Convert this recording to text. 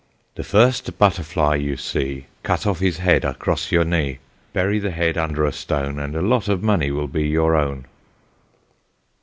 The first butterfly you see, Cut off his head across your knee, Bury the head under a stone And a lot of money will be your own.